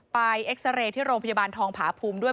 เอ็กซาเรย์ที่โรงพยาบาลทองผาภูมิด้วย